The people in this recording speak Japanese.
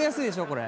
これ。